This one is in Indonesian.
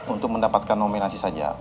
untuk mendapatkan nominasi saja